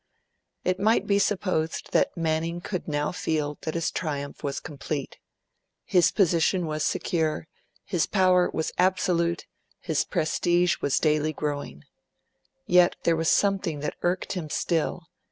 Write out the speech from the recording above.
It might be supposed that Manning could now feel that his triumph was complete. His position was secure; his power was absolute; his prestige was daily growing. Yet there was something that irked him still.